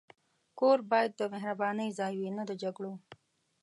کور باید د مهربانۍ ځای وي، نه د جګړو.